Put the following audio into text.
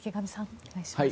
お願いします。